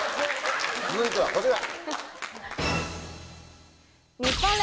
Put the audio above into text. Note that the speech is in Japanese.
続いてはこちら。